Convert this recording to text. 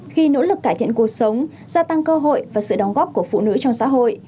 khi nỗ lực cải thiện cuộc sống gia tăng cơ hội và sự đóng góp của phụ nữ trong xã hội